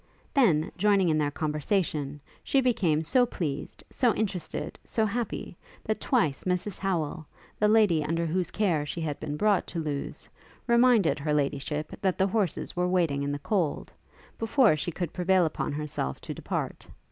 Then, joining in their conversation, she became so pleased, so interested, so happy, that twice Mrs Howel, the lady under whose care she had been brought to Lewes, reminded Her Ladyship that the horses were waiting in the cold, before she could prevail upon herself to depart.